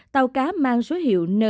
tàu cá mang số hiệu na chín trăm ba mươi ba